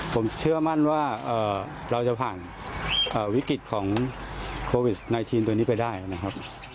ผมเชื่อมั่นว่าเราจะผ่านวิกฤตของโควิด๑๙ตัวนี้ไปได้นะครับ